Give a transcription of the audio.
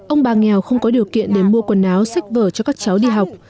ông bà nghèo không có điều kiện để mua quần áo sách vở cho các cháu đi học